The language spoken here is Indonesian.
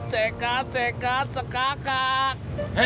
cekat cekat cekakak